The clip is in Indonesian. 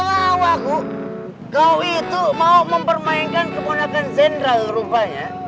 kalau aku kau itu mau mempermainkan kebonakan zendral rupanya